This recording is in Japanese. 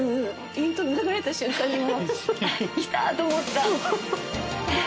イントロ流れた瞬間にもう来た！と思った